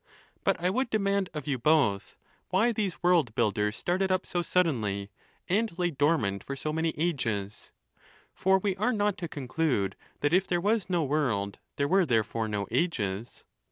IX. But I would demand of you both, why these world builders started up so suddenly, and lay dormant for so many ages? For we are not to conclude that, if there was no world, there were therefore no ages.